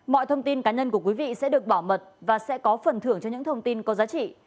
mọi thông tin cá nhân của quý vị sẽ được bảo mật và sẽ có phần thưởng cho những thông tin có giá trị